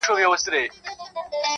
نن له سیوري سره ځمه خپل ګامونه ښخومه-